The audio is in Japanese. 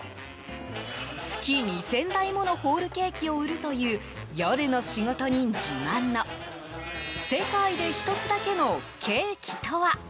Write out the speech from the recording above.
月２０００台ものホールケーキを売るという夜の仕事人自慢の世界で一つだけのケーキとは？